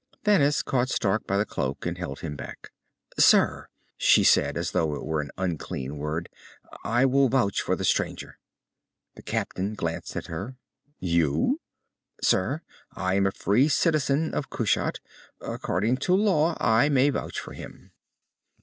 Thanis caught Stark by the cloak and held him back. "Sir," she said, as though it were an unclean word. "I will vouch for the stranger." The captain glanced at her. "You?" "Sir, I am a free citizen of Kushat. According to law, I may vouch for him."